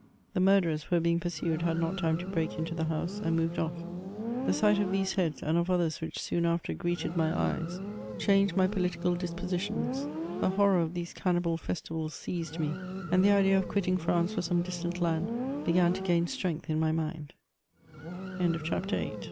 The murderers, who were being pursued, had not time to break into the house, and moved off. The sight of these heads, and of others which soon after greeted my eyes, changed my political dispositions ; a horror of these cannibal festivals seized me, and the idea of quitting France for some distant land began t